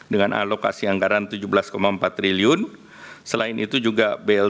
dengan realisasi anggaran sebesar dua lima juta kpm